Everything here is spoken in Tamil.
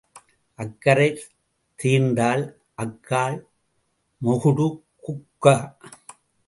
அக்கறை தீர்ந்தால் அக்காள் மொகுடு குக்க